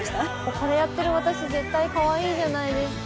これやってる私絶対かわいいじゃないですか。